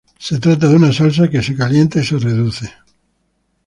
Se trata de una salsa que se calienta y se reduce.